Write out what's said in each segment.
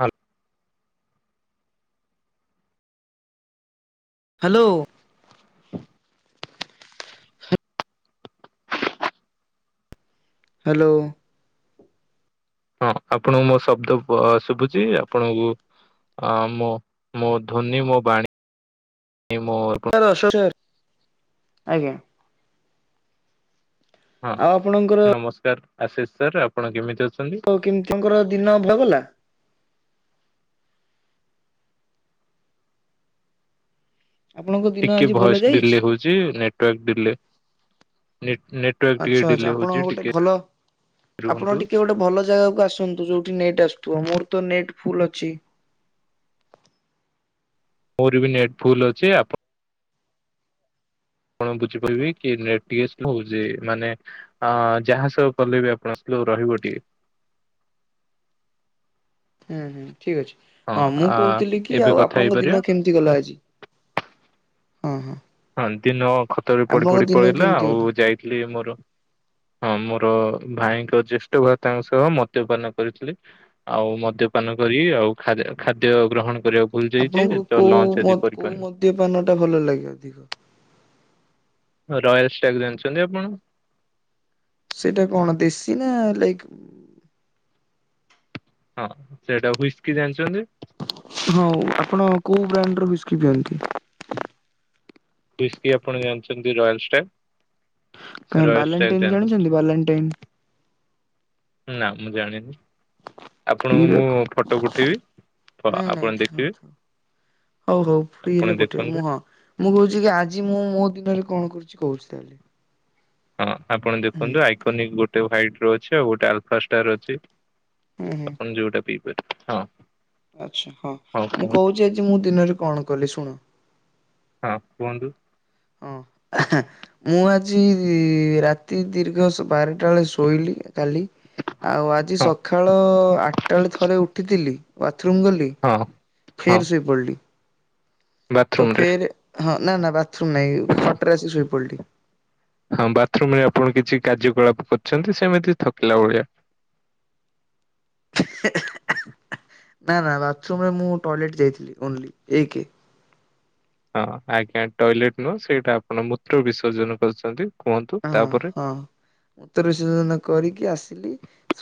ହାଲ hello. Hello. ହଁ ଆପଣଙ୍କୁ ମୋ ଶବ୍ଦ ଆ ଶୁଭୁଚି ଆପଣଙ୍କୁ। ଅ ମୁଁ ମୋ ଧୋନି ମୋ ବାଣୀ ମୋ [unintelligible] ଆଜ୍ଞା। ହଁ ଆଉ ଆପଣଙ୍କର ନମସ୍କାର ଆଶିଷ ସାର୍ ଆପଣ କେମିତି ଅ ହଉ କେମତି ତାଙ୍କର ଦିନ ଭଲ ଗଲା? ଆପଣଙ୍କ ଦିନ ଟିକେ ଆଜି ଭଲ ଭଏସ ଯାଇଛି? ଡିଲେ ହଉଛି ନେଟୱାର୍କ ଡିଲେ। ନେ ଆଚ୍ଛା ଆଛା ଆପଣଙ୍କ ଗୋଟେ ଭଲ ଆପଣ ରୁହନ୍ତୁ ଟିକେ ଗୋଟେ ଭଲ ଜାଗାକୁ ଆସନ୍ତୁ ଯୋଉଠି ନେଟ ଆସୁଥିବ ମୋର ତ ନେଟ ଫୁଲ୍ ଅଛି। ମୋର ବି ନେଟ ଫୁଲ୍ ଅଛି ଆପ ଆପଣ ବୁଝିପାରିବେ କି ନେଟ ଟିକେ ଶ୍ଲୋ ହଉଛି ମାନେ ଅଁ ଯାହା ସବୁ କଲେ ବି ଆପଣ [unintelligible] ରହିବ ଟିକେ। ହୁଁ ହୁଁ। ଠିକ ଅଛି। ହଁ ମୁଁ କହୁଥିଲି କି ଏବେ ଆଉ କଥା ଆପଣଙ୍କ ହେଇପାରିବା ଦିନ କେମିତି ଗଲା ଆଜି? ହଁ ହଁ। ହଁ ଦିନ ଖଟରେ ପଡି ଆପଣଙ୍କ ପଡି ଦିନ ପଳେଇଲା କେମିତି ଆଉ ଗଲା? ଯାଇଥିଲି ମୋର ହଁ ମୋର ଭାଇଙ୍କ ଜ୍ୟେଷ୍ଠ ଭ୍ରାତାଙ୍କ ସହ ମଦ୍ୟପାନ କରିଥିଲି ଆଉ ମଦ୍ୟପାନ କରି ଆଉ ଖାଦ-ଖାଦ୍ୟ ଗ୍ରହଣ କରିଆକୁ ଭୁଲ ଆପଣଙ୍କୁ ଯାଇଛି ତ କୋଉ ଲଞ୍ଚ ମଦ ଆଜିି କୋଉ କରିପାରିନି। ମଦ୍ୟପାନ ଟା ଭଲ ଲାଗେ ଅଧିକ? ରୟାଲ ଷ୍ଟାଗ ଜାଣିଛନ୍ତି ଆପଣ? ସେଇଟା କଣ ଦେଶୀ ନା ଲାଇକ୍ ହଁ ସେଟା ହୁଇସ୍କି ଜାଣିଛନ୍ତି? ହଁ ଆପଣ କୋଉ ବ୍ରାଣ୍ଡ ର ହୁଇସ୍କି ପିଅନ୍ତି? ହୁଇସ୍କି ଆପଣ ଜାଣିଛନ୍ତି ରୟାଲ ଷ୍ଟାଗ? କାଇଁ ରୟାଲ ଷ୍ଟାଗ ବାଲାଣ୍ଟାଇନ ଜାଣିଛନ୍ତି ଜାଣିନଥିବେ। ବାଲାଣ୍ଟାଇନ ନା ମୁଁ ଜାଣିନି। ଆପଣଙ୍କୁ ପିଇବେ ମୁଁ ଫଟୋ ପଠେଇବି। ପ ନାଇଁ ନାଇଁ ଆପଣ ଥାଉ ଦେଖିବେ। ଥାଉ। ହଉ ହଉ ଫ୍ରି ଆପଣ ହେଲେ ପଠେଇବେ ଦେଖନ୍ତୁ ମୁଁ ହଁ ମୁଁ କହୁଛି କି ଆଜି ମୁଁ ମୋ ଦିନରେ କଣ କରିଛି କହୁଛି। ତାହେଲେ ହଁ ଆପଣ ହୁଁ ଦେଖନ୍ତୁ ଆଇକୋନିକ ଗୋଟେ ହ୍ବାଇଟ ର ଅଛି ଆଉ ଗୋଟେ ଆଲଫା ଷ୍ଟାର ଅଛି। ହୁଁ ହୁଁ ଆପଣ ଯୋଉଟା ପିଇ ପାରିବେ ହଁ। ଆଚ୍ଛା ହଁ ମୁଁ କହୁଛି ଆଜି ମୁଁ ଦିନରେ କଣ କଲି ଶୁଣ। ହଁ କୁହନ୍ତୁ। ହଁ। ଆ ହାଁ ମୁଁ ଆଜି ରାତି ଦୀର୍ଘ ସ ବାରେଟା ବେଳେ ଶୋଇଲି। କାଲି ଆଉ ଆଜି ହଁ ସଖାଳ ଆଟା ବେଳେ ଥରେ ଉଠିଥିଲି ବା ଥ୍ରୁମ ଗଲି ହଁ ହଁ। ଫେରେ ଶୋଇ ପଡିଲି ତ ବାଥରୁମ ରେ ଫେରେ ହଁ। ନା ନା ବାଥରୁମ ନାଇଁ ଖଟରେ ଆସି ଶୋଇ ପଡ଼ିଲି। ହଁ ବାଥରୁମ ରେ ଆପଣ କିଛି କାର୍ଯ୍ୟକଳାପ କରିଛନ୍ତି ସେମିତି ଥକିଲା ଭଳିଆ। ହ [unintelligible] ନା ନା ବାଥରୁମରେ ମୁଁ ଟଏଲେଟ ଯାଇଥିଲି ଓନ୍ଲି ଏକେ। ହଁ ଆଜ୍ଞା ଟଏଲେଟ ନୁହଁ ସେଇଟା ଆପଣ ମୂତ୍ର ବିସର୍ଜନ କରିଛନ୍ତି। କୁହନ୍ତୁ ହଁ ତାପରେ ହଁ ମୂତ୍ର ବିସର୍ଜନ କରିକି ଆସିଲି।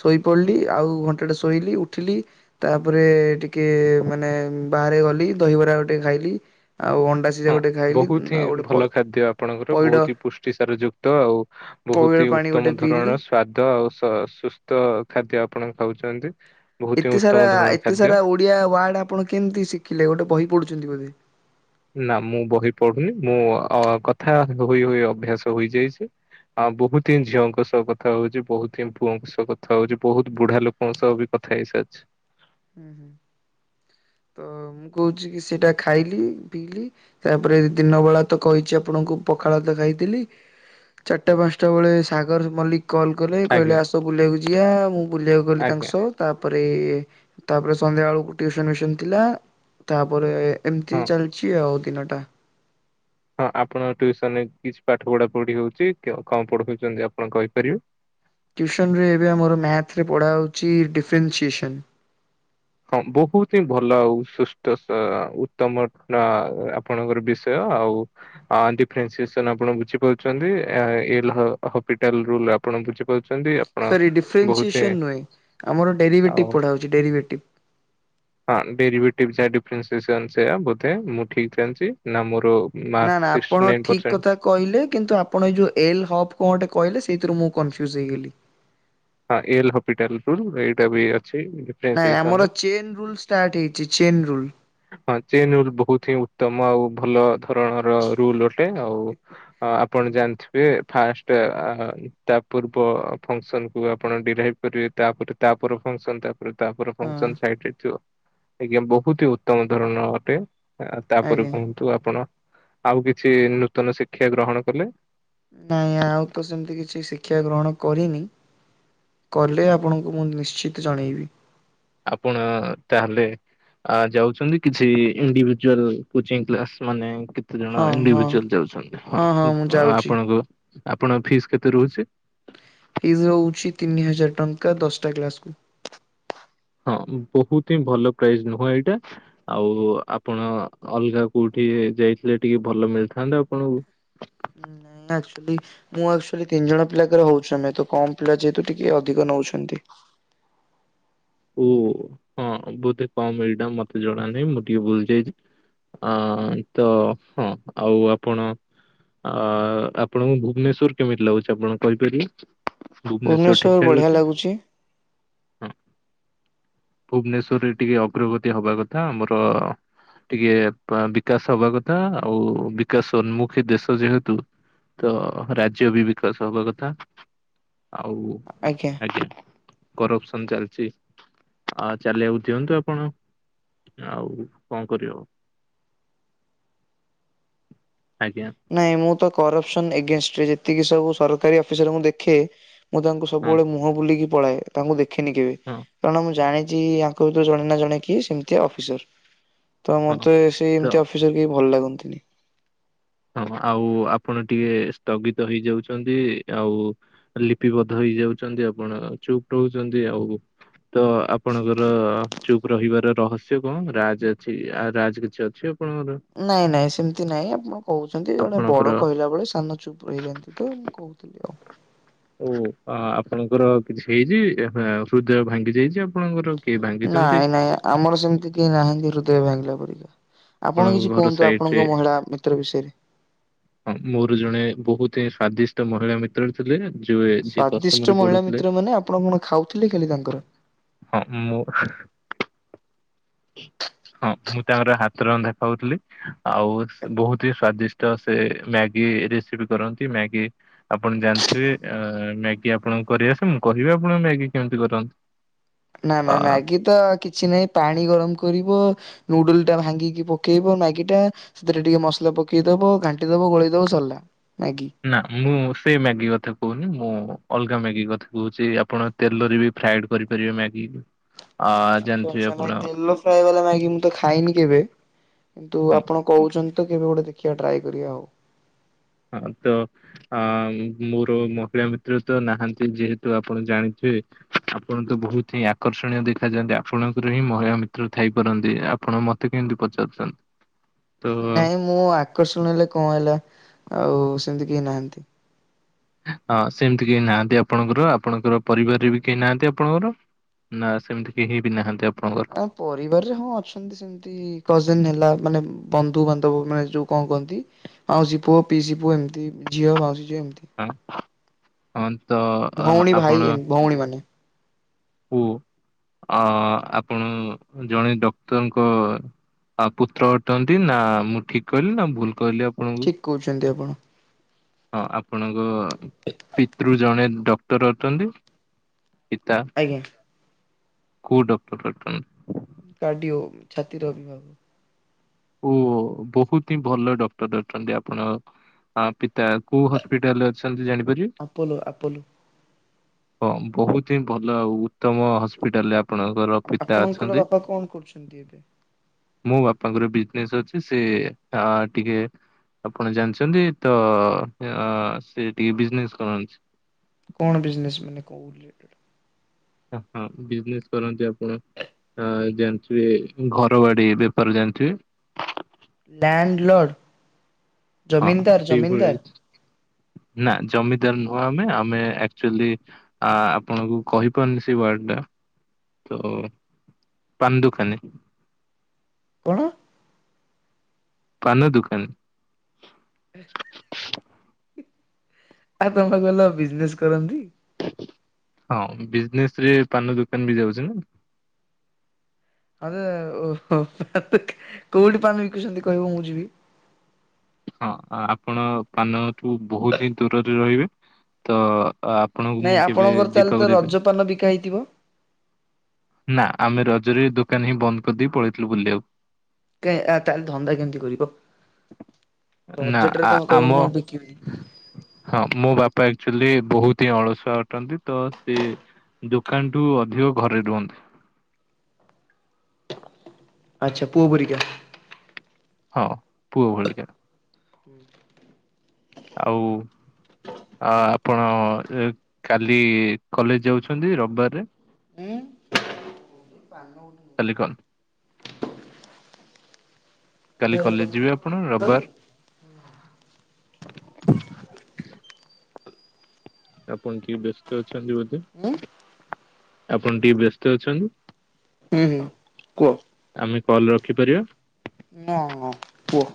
ଶୋଇପଡିଲି ଆଉ ଘଣ୍ଟା ଟା ଶୋଇଲି ଉଠିଲି ତାପରେ ଟିକେ ମାନେ ଉଁ ବାହାରେ ଗଲି ଦହିବରା ଗୋଟେ ଖାଇଲି। ଆଉ ଅଣ୍ଡା ସିଝା ହଁ ଗୋଟେ ଖାଇଲି ବହୁତ ଆଉ ହିଁ ଗୋଟେ ପ ଭଲ ଖାଦ୍ୟ ଆପଣଙ୍କର ପଇଡ଼ ବହୁତ ହି ପୁଷ୍ଟିସାର ଯୁକ୍ତ ଆଉ ପଇଡ଼ ବହୁତ ହି ପାଣି ଗୋଟେ ଉତ୍ତମ ପିଇଲି। ଧରଣର ସ୍ଵାଦ ଆଉ ସ ସୁସ୍ଥ ଖାଦ୍ୟ ଆ ପଣ ଖାଉଛନ୍ତି। ବହୁତ ହିଁ ଏତେ ସାରା ଉତ୍ତମ ଆ ଧରଣର ଏତେ ଖାଦ୍ୟ ସାରା ଓଡିଆ ଓ୍ବାର୍ଡ ଆପଣ କେମିତି ଶିଖିଲେ ଗୋଟେ ବହି ପଢୁଛନ୍ତି ବୋଧେ। ନା ମୁଁ ବହି ପଢୁନି ମୁଁ ଅ କଥା ହୋଇ ହୋଇ ଅଭ୍ୟାସ ହୋଇଯାଇଛି। ଆ ବହୁତ ହିଁ ଝିଅଙ୍କ ସହ କଥା ହଉଚି ବହୁତ ହିଁ ପୁଅଙ୍କ ସହ କଥା ହଉଚି ବହୁତ ବୁଢା ଲୋକଙ୍କ ସହ ବି କ ଥା ହେଇ ସାରିଚି। ଉଁ ହୁଁ। ତ ମୁଁ କହୁଚି କି ସେଇଟା ଖାଇଲି ପିଇଲି ତା ପରେ ଦିନ ବେଳା ତ କହିଚି ଆପଣଙ୍କୁ କୁ ପଖାଳ ତ ଖାଇଥିଲି ଚାରିଟା ପାଞ୍ଚଟା ବେଳେ ସାଗର ମଲ୍ଲିକ କଲ୍ କଲେ କହିଲେ ଆଜ୍ଞା ଆସ ବୁଲିବାକୁ ଯିବା ମୁଁ ବୁଲିବାକୁ ଗଲି ତାଙ୍କ ଆଜ୍ଞା ସହ। ତା ପରେ ତା ପରେ ସନ୍ଧ୍ୟା ବେଳକୁ ଟିୟୁସନ୍ ଫିସନ୍ ଥିଲା। ତା ପରେ ଏମିତି ହଁ ଚାଲିଚି ଆଉ ଦିନଟା। ହଁ ଆପଣ ଟ୍ୟୁସନରେ କିଛି ପାଠ ପଢା ପଢି ହଉଚି। କେ କଣ ପଢଉଚନ୍ତି ଆପଣ କହିପାରିବେ? ଟ୍ୟୁସନରେ ଏବେ ଆମର ମ୍ୟାଥରେ ପଢ଼ା ହଉଚି ଡିଫେରନ୍ସିଏସନ୍। ହଁ ବହୁତ ହିଁ ଭଲ ଆଉ ସୁସ୍ଥ ସ ଉତ୍ତମ ଅ ଆପଣଙ୍କର ବିଷୟ। ତ ଆଉ ଆଁ ଡିଫେରନ୍ସିଏସନ୍ ଆପଣ ବୁଝି ପାରୁଚନ୍ତି ଆ ଏ-ଏଲ୍ ହ-ହପିଟାଲ୍ ରୁଲ୍ ଅ ଆମର। ଆପଣ ବୁଝିପା ସରି ଡିଫରେନ୍ସିଏସନ ନୁହେଁ ଆମର ଡେରିଭେଟିଭ୍ ପଢ଼ା ହଉଚି ଡେରିଟିଭ୍। ହଁ ଡେରିଭେଟିଭ୍ ଯା ଡିଫରେନ୍ସିଏସନ୍ ସେଆ ବୋଧେ ମୁଁ ଠିକ୍ ଜାଣିଚି। ନା ମୋର ମାର୍କ ନା ନା ସିକ୍ସଟି ଆପଣ ନାଇନ ଠିକ ପରସେଣ୍ଟ କଥା କହିଲେ କିନ୍ତୁ ଆପଣ ଏଇ ଯୋଉ ଏଲ ହବ୍ କଣଟେ କହିଲେ ସେଇଥିରୁ ମୁଁ କନଫ୍ୟୁଜ୍ ହେଇଗଲି। ହଁ ଏଲ ହପିଟାଲ୍ ରୁଲ୍ ଏଇଟା ବି ଅଛି ନାଇଁ ଆମର ଡିଫରେନ୍ସିଏସନ ଚେନ୍ ରୁଲ୍ ଷ୍ଟାର୍ଟ ହେଇଚି ଚେନ୍ ରୁଲ୍। ହଁ ଚେନ୍ ରୁଲ୍ ବହୁତ ହିଁ ଉତ୍ତମ ଆଉ ଭଲ ଧରଣର ରୁଲ୍ ଅ ଟେ ଆଉ ଆପଣ ଜାଣିଥିବେ ଫାଷ୍ଟ ଆ ତା ପୂର୍ବ ଫଙ୍କସନ୍ କୁୁ ଆପଣ ଡିରାଇଭ୍ କରିବେ ତା ପରେ ତା ପର ଫଙ୍କସନ୍ ତା ପରେ ତା ପର ହଁ ଫଙ୍କସନ୍ ସାଇଟ୍ ରେ ଥିବ। ଆଜ୍ଞା ବହୁତ ହି ଉତ୍ତମ ଧରଣର ଅଟେ। ଆ ତା ପରେ ଆଜ୍ଞା। କୁହନ୍ତୁ ଆପଣ ଆଉ କିଛି ନୂତନ ଶିକ୍ଷା ଗ୍ରହଣ କଲେ? ନାଇଁ ଆଉ ତ ସେମିତି କିଛି ଶିକ୍ଷା ଗ୍ରହଣ କରିନି। କଲେ ଆପଣଙ୍କୁ ମୁଁ ନିଶ୍ଚିତ ଜଣେଇବି। ଆପଣ ତା ହେଲେ ଆ ଯାଉଚନ୍ତି କିଛି ଇଣ୍ଡିଭିଜୁଆଲ କୋଚିଂ କ୍ଲାସ୍ ମାନେ କେତେ ଜଣ ହଁ ହଁ ଇଣ୍ଡିଭିଜୁଆଲ ଯାଉଚନ୍ତିଁ। ହଁ ଉଁ ଆପଣଙ୍କୁ ଆପଣଙ୍କ ଫିସ୍ କେତେ ରହୁଚି? ଫିସ୍ ହଉଚି ତିନି ହଜାର ଟଙ୍କା ଦଶଟା କ୍ଲାସ୍ କୁ। ହଁ ବହୁତ ହିଁ ଭଲ ପ୍ରାଇସ୍ ନୁହଁ ଏଇଟା ଆଉ ଆପଣ ଅଲଗା କୋଉଠି ଯାଇଥିଲେ ଟିକେ ଭଲ ମିଳିଥାନ୍ତା ଆପଣଙ୍କୁ। ନାଇଁ ଆକ୍ଚ୍ୟୁଲି ମୁଁ ଆକ୍ଚ୍ୟୁଲି ତିନି ଜଣ ପିଲାକର ହଉଚୁ ଆମେ। ତ କମ ପିଲା ଯେହେତୁ ଟିକେ ଅଧିକ ନ ନଉଛନ୍ତି। ଓଃ ହଁ ବୋଧେ କମ୍ ଏଇଟା ମତେ ଜଣ ନାଇଁ ମୁଁ ଟିକେ ଭୁଲ ଯାଇଚି। ଅ ତ ହଁ ଆଉ ଆପଣ ଅ ଆପଣଙ୍କୁ ଭୁବନେଶ୍ଵର କେମିତି ଲାଗୁଚି ଆପଣ କହିପାରିବେ? ଭୁବନେଶ୍ୱର ଠିକ୍ ଠାକ୍ ବଢିଆ ଅଛି ଲାଗୁଛି ହଁ ଭୁବନେଶ୍ୱରରେ ଟିକେ ଅଗ୍ରଗତି ହବା କଥା ଆମର ଟିକେ ବିକାଶ ହବା କଥା ଆଉ ବିକାଶଉନ୍ମୁଖୀ ଦେଶ ଯେହେତୁ ତ ରାଜ୍ୟ ବି ବିକାଶ ହବା କଥା। ଆଉ ଆଜ୍ଞା। କରପସନ୍ ଚାଲିଚି। ଆ ଚାଲିଆକୁ ଦିଅନ୍ତୁ ଆପଣ। ଆଉ କଣ କରି ହବ? ନାଇଁ ମୁଁ ତ କରପ୍ସନ୍ ଏଗେନ୍ଷ୍ଟେ ରେ ଯେତିକି ସବୁ ସରକାରୀ ଅଫିସର୍ ଙ୍କୁ ଦେଖେ ମୁଁ ତାଙ୍କୁ ହଁ ସବୁବେଳେ ମୁହଁ ବୁଲିକି ପଳାଏ ତାଙ୍କୁ ଦେଖେନି କେବେ। ହଁ କାରଣ ମୁଁ ଜାଣି ଚି ଆୟଙ୍କ ଭିତରୁ ଜଣେ ନା ଜଣେ କିଏ ସେମିତିଆ ଅଫିସର୍। ତ ହଁ। ମତେ ତ ସେମତିଆ ଅଫିସର୍ କେଇ ଭଲ ଲାଗନ୍ତିନି। ହଁ ଆଉ ଆପଣ ଟିକେ ସ୍ଥଗିତ ହେଇଯାଉଚନ୍ତି। ଆଉ ଲିପିବଦ୍ଧ ହେଇଯାଉ ଯାଉଚନ୍ତି ଆପଣ ଚୁପ୍ ରହୁଚନ୍ତି ଆଉ ତ ଆପଣଙ୍କର ଚୁପ୍ ରହିବାର ରହସ୍ୟ କଣ ରାଜ୍ ଅଛି ଆ ରାଜ୍ କିଛି ଅଛି ଆପ ନାଇଁ ନାଇଁ ସେମିତି ନାଇଁ ଆପଣ କହୁ ଚନ୍ତି ଜଣେ ଆପଣଙ୍କର ବଡ କହିଲା ବେଳେ ସାନ ଚୁପ ହେଇଯାନ୍ତି ତ ମୁଁ କହୁଥିଲି ଆଉ। ଓ ଆପଣଙ୍କର କିଛି ହେଇଛି ହୃଦୟ ଭାଙ୍ଗି ଯାଇଛି ଆପଣଙ୍କର? କିଏ ଭାଙ୍ଗିଛନ୍ତି ନାଇଁ ନାଇଁ ଆମର ସେମିତି କେହି ନାହାଁନ୍ତି ହୃଦୟ ଭାଙ୍ଗିଲା ପରିକା। ଆପଣ ଆପଣଙ୍କ କିଛି ଘର କୁହନ୍ତୁ ସାଇଟ୍ ଆପଣଙ୍କ ମହିଳା ମିତ୍ର ବିଷୟରେ ହଁ ମୋର ଜଣେ ବହୁତ ହିଁ ସ୍ଵାଦିଷ୍ଟ ମହିଳା ମିତ୍ର ଥିଲେ। ଯଉ ଯିଏ ଦଶମରେ ସ୍ଵାଦିଷ୍ଟ ମହିଳା ପଢୁଥିଲେ ମିତ୍ର ମାନେ ଆପଣ କଣ ଖାଉଥିଲେ ଖାଲି ତାଙ୍କର ହଁ ମୁଁ ହଁ ମୁଁ ତାଙ୍କର ହାତ ରନ୍ଧା ଖାଉଥିଲି ଆଉ ବହୁତ ହି ସ୍ଵାଦିଷ୍ଟ ସେ ମ୍ୟାଗି ରେସିପି କରନ୍ତି ମ୍ୟାଗି ଆପଣ ଜାଣିଥିବେ ଏ ମ୍ୟାଗି ଆପଣଙ୍କ କରିଆସେ? ମୁଁ କହିବି ଆପଣଙ୍କ ମ୍ୟାଗି କେମିତି କରନ୍ତି? ନା ନା ଅ ମ୍ୟାଗି ତ କିଛି ନାହିଁ ପାଣି ଗରମ କରିଵ ନୁଡୁଲ ଟା ଭାଙ୍ଗିକି ପକେଇବ ମ୍ୟାଗି ଟା ସେଥିରେ ଟିକେ ମସଲା ପକେଇଦବ ଘାଣ୍ଟିଦବ ଗୋଳେଇଦବ ସରିଲା। ମ୍ୟାଗି। ନା ମୁଁ ସେଇ ମ୍ୟାଗି କଥା କହୁ ମୁଁ ଅଲଗା ମ୍ୟାଗି କଥା କହୁଛି ଆପଣ ତେଲରେ ବି ଫ୍ରାଏଡ କରିପାରିବେ ମ୍ୟାଗି ଆ ଆଛା ଜାଣିଥିବେ ଆଛା ଆପଣ ନାଇ ତେଲ ଫ୍ରାଏ ବାଲା ମ୍ୟାଗି ମୁ ତ ଖାଇନି କେବେ। କିନ୍ତୁ ହଁ ଆପଣ କହୁଛନ୍ତି ତ କେବେ ଗୋଟେ ଦେଖିବା ଟ୍ରାଏ କରିବା ଆଉ। ହଁ ତ ଅ ମୋର ମହିଳା ମିତ୍ର ତ ନାହାନ୍ତି ଯେହେତୁ ଆପଣ ଜାଣି ଯେ ଆପଣ ତ ବହୁତିହିଁ ଆକର୍ଷଣୀୟ ଦେଖାଯାଆନ୍ତି। ଆପଣଙ୍କର ହିଁ ମହିଳା ମିତ୍ର ଥାଇପାରନ୍ତି। ଆପଣ ମତେ କେମିତି ପଚାରୁଛନ୍ତି? ତ ନାଇଁ ମୁଁ ଆକର୍ଷଣ ହେଲେ କଣ ହେଲା ଆଉ ସେମିତି କେହି ନାହାନ୍ତି। ହଁ ସେମିତି କେହି ନାହାନ୍ତି ଆପଣଙ୍କର ଆପଣଙ୍କର ପରିବାରରେ ବି କେହି ନାହାନ୍ତି ଆପଣଙ୍କର? ନା ସେମିତି କେହି ବି ନାହାନ୍ତି ଆପ୍ ପରିବାରରେ ହଁ ଅଛନ୍ତି ସେମିତି କଜନ ହେଲା ମାନେ ବନ୍ଧୁ ବାନ୍ଧବ ମାନେ ଯୋଉ କଣ କହନ୍ତି। ମାଉସୀ ପୁଅ ପିଇସି ପୁଅ ଏମିତି ଝିଅ ମାଉସୀ ଯେମିତି ହନ୍ ଭଉଣୀ ଭାଇ ଏମ୍ ଭଉଣୀମାନେ ହୁ ଅ ଆପଣ ଜଣେ ଡକ୍ଟରଙ୍କ ଆଉ ପୁତ୍ର ଅଟନ୍ତି। ନା ମୁଁ ଠିକ କହିଲି ନା ଭୁଲ କହିଲି ଆପଣଙ୍କୁ ଠିକ କହୁଛନ୍ତି ଆପଣ। ହଁ ଆପଣଙ୍କ ପିତୃ ଜଣେ ଡକ୍ଟର ଅଟନ୍ତି? ପିତା ଆଜ୍ଞା। କୋଉ ଡକ୍ଟର ଅଟନ୍ତି? କାର୍ଡିଓ। ଛାତିର ଓ ବହୁତ ହିଁ ଭଲ ଡକ୍ଟର ଅଛନ୍ତି ଆପଣ ହଁ ପିତା କୋଉ ହସ୍ପିଟାଲ ରେ ଅଛନ୍ତି ଜାଣି ଆପୋଲୋ ଆପୋଲୋ। ହଁ ବହୁତ ହିଁ ଭଲ ଆଉ ଉତ୍ତମ ହସ୍ପିଟାଲରେ। ଆପଣଙ୍କର ପିତା ଆପଣଙ୍କର ଅଛନ୍ତି। ବାପା କଣ କରୁଛନ୍ତି ଏବେ ମୋ ବାପାଙ୍କର ବି ବିଜିନେଷ ଅଛି ସେ ଟିକେ ଆପଣ ଜାଣିଛନ୍ତି ତ ସେ ଟିକେ ବିଜନେସ କରନ୍ତି। କଣ ବିଜନେସ ମାନେ କୋଉ ରିଲେ ହଁ ବିଜନେସ୍ କରନ୍ତି ଆପଣ? ଅ ଜାଣିଥିବେ ଘର ବାଡି ବେପାର ଜାଣିଥିବେ? ଲ୍ୟାଣ୍ଡଲଡ଼ ହଁ ଜମିନଦାର ସେଇଭଳି ଜମିନଦାର? ନା ଜମିଦାର ନୁହଁ ଆମେ ଆମେ ଆକ୍ଚୁଆଲି ଆପଣଙ୍କୁ କହିପାରୁନି ସେ ୱାଡଟା ତ ପାନ ଦୁକାନି। କଣ? ପାନ ଦୁକାନ। ଆଉ [unintelligible] ତମେ କହିଲ ବିଜନେସ କରନ୍ତି। ହଁ ବିଜନେସରେ ପାନ ଦୋକାନ ବି ଯାଉଚି ନା। ଆ [unintelligible] କୋଉଠି ପାନ ବିକୁଛନ୍ତି କହିବ ମୁଁ ଯିବି। ହଁ ଆପଣ ପାନଠୁ ବହୁତ୍ ହିଁ ଦୂରରେ ରହିବେ ତ। ଆ ଆପଣଙ୍କୁ ନାଇଁ ମୁଁ କେବେ ଆପଣଙ୍କର ତାହେଲେ ତ ଯିବାକୁ ଦେବ ରଜପାନ ବିକା ହେଇଥିବ ନା ଆମେ ରଜରେ ଦୋକାନ ହିଁ ବନ୍ଦ କରିଦେଇ ପଳେଇଥିଲୁ ବୁଲିବା କୁ। [unintelligible] ତାହେଲେ ଧନ୍ଦା କେମିତି କରିବ? [inaudible] ନା ରଜଟାରେ ଆଉ ତମେ କହିବ ଆମ ମୁଁ ବିକିବି ହଁ ମୋ ବାପା ଆକ୍ଚୁଲି। ବହୁତ୍ ହିଁ ଅଳସୁଆ ଅଟନ୍ତି ତ ସେ ଦୋକାନଠୁ ଅଧିକ ଘରେ ରୁହନ୍ତି। ଆଚ୍ଛା ପୁଅ ପରିକା। ହଁ ପୁଅ ଭଲିକା। [unintelligible] ଆଉ। ଆ ଆପଣ କାଲି କଲେଜ ଯାଉଛନ୍ତି ରବିବାରରେ? ହୁଁ। କାଲି କ କାଲି କଲେଜ ଯିବେ ଆପଣ ହୁଁ ରବିବାର? ଆପଣ କି ବ୍ୟସ୍ତ ଅଛନ୍ତି ବୋଧେ। ଆପଣ ଟିକେ ବ୍ୟସ୍ତ ହୁଁ ଅଛନ୍ତି। କୁହ। ଆମେ କଲ ହଁ ରଖିପାରିବା। ହଁ କୁହ।